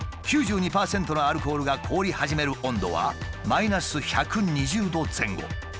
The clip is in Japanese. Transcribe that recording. ９２％のアルコールが凍り始める温度はマイナス１２０℃前後。